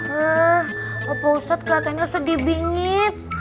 eh opa ustadz kelihatannya sedih bingit